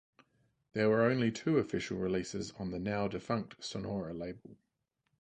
There were only two official releases on the now defunct Sonora label.